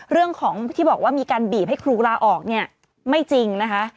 เรื่องของที่บอกว่ามีการบีบให้ครูลาออกเนี่ยไม่จริงนะคะ